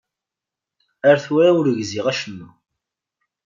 Ar tura ur gziɣ acemma.